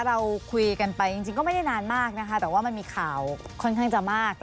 เราคุยกันไปจริงก็ไม่ได้นานมากนะคะแต่ว่ามันมีข่าวค่อนข้างจะมาก